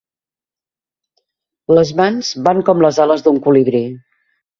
Les mans van com les ales d'un colibrí.